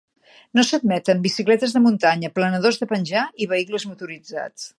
No s'admeten bicicletes de muntanya, planadors de penjar i vehicles motoritzats.